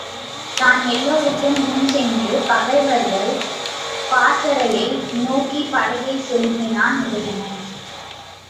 தான் எல்லாருக்கும் முன் சென்று பகைவர்கள் பாசறையை நோக்கிப் படையைச் செலுத்தினான் உதயணன்.